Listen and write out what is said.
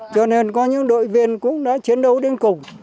cho nên có những đội viên cũng đã chiến đấu đến cùng